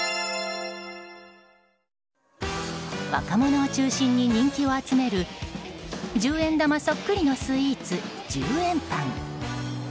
若者を中心に人気を集める十円玉そっくりのスイーツ１０円パン。